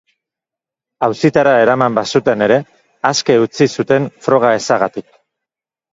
Auzitara eraman bazuten ere, aske utzi zuten froga ezagatik.